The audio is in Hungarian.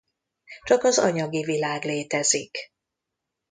Csak az anyagi világ létezik.